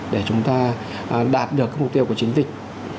để chúng ta đạt được mục tiêu của chiến dịch